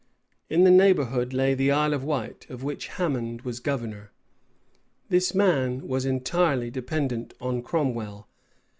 In the neighborhood lay the Isle of Wight, of which Hammond was governor. This man was entirely dependent on Cromwell.